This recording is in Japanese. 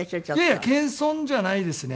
いやいや謙遜じゃないですね。